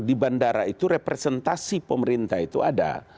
di bandara itu representasi pemerintah itu ada